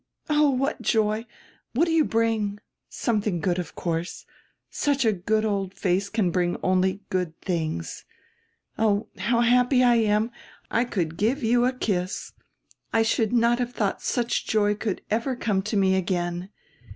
Oh, what joy! What do you bring? Some tiling good, of course. Such a good old face can bring only good tilings. Oh, how happy I am! I could give you a kiss. I should not have thought such joy oould ever come to me again.